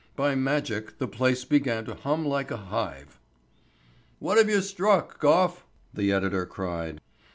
By magic the place began to hum like a hive. "What have you struck, Gough?" the editor cried.